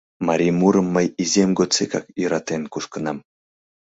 Марий мурым мый изиэм годсекак йӧратен кушкынам...